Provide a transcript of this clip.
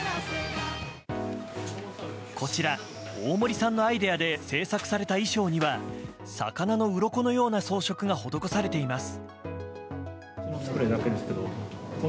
こちら、大森さんのアイデアで制作された衣装には魚のうろこのような装飾が施されています。